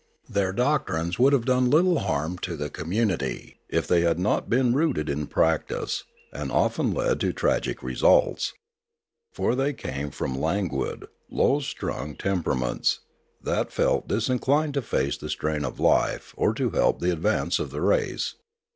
Their doctrines would have done little harm to the community, if they had not been rooted in practice, and often led to tragic results. For they came from languid, low strung tem peraments, that felt disinclined to face the strain of life Death 387 or to help the advance of the race.